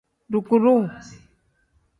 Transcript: Dukuru.